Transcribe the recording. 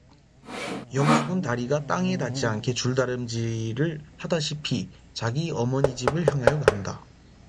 영숙은 다리가 땅에 닿지 않게 줄달음질을 하다시피 자기 어머니 집을 향 하여 간다.